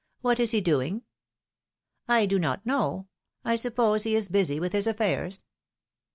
What is he doing I do not know; I suppose he is busy with his affairs.